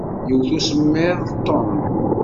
Iwwet usemmiḍ Ṭum.